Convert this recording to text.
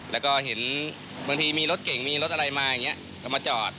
แล้วก็เห็นบางทีมีรถเก่งมีรถอะไรมาอย่างนี้ก็มาจอด